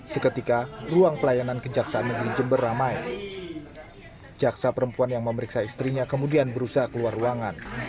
seketika ruang pelayanan kejaksaan negeri jember ramai jaksa perempuan yang memeriksa istrinya kemudian berusaha keluar ruangan